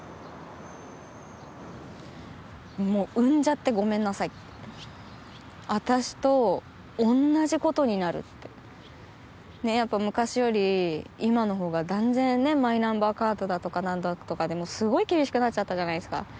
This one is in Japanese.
もう産んじゃってごめんなさいって私とおんなじことになるってやっぱ昔より今のほうが断然マイナンバーカードだとか何だとかですごい厳しくなっちゃったじゃないですか